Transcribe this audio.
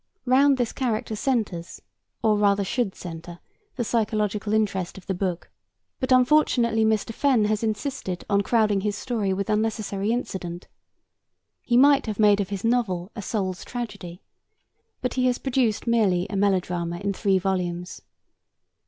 Round this character centres, or rather should centre, the psychological interest of the book, but unfortunately Mr. Fenn has insisted on crowding his story with unnecessary incident. He might have made of his novel 'A Soul's Tragedy,' but he has produced merely a melodrama in three volumes.